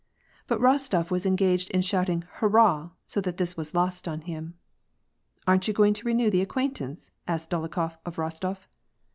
But Kostof was engaged in shouting ' hurrah ' so that this was lost on him. " Aren't you going to renew the acquain tance ?" asked Dolokhof of Rostof